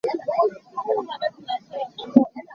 Theithu kha sau chiah na duh ahcun a ngiang thlong hlah.